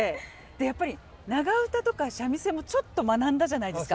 やっぱり長唄とか三味線もちょっと学んだじゃないですか。